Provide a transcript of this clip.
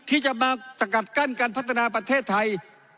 ที่จะมาสกัดกั้นการพัฒนาประเทศไทย